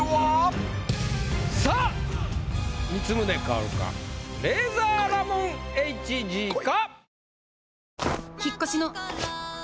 さぁ光宗薫かレイザーラモンＨＧか。